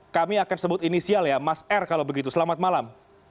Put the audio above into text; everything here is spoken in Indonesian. kami akan sebut inisial ya mas r kalau begitu selamat malam